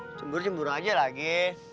eh cemburu cembur aja lagi